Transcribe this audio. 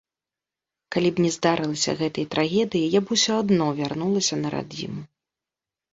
Калі б не здарылася гэтай трагедыі, я б усё адно вярнулася на радзіму.